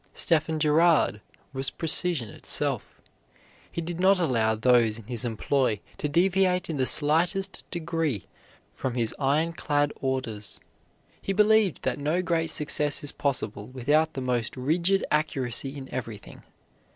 Stephen Girard was precision itself. He did not allow those in his employ to deviate in the slightest degree from his iron clad orders. He believed that no great success is possible without the most rigid accuracy in everything.